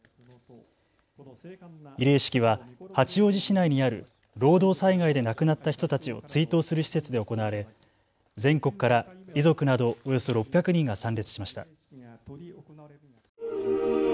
慰霊式は八王子市内にある労働災害で亡くなった人たちを追悼する施設で行われ全国から遺族などおよそ６００人が参列しました。